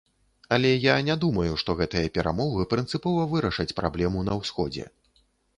Але я не думаю, што гэтыя перамовы прынцыпова вырашаць праблему на ўсходзе.